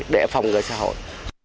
để phòng người xã hội